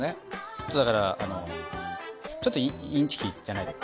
ちょっとだからちょっとインチキじゃないけど。